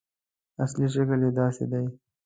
اصلي شکل یې داسې دی.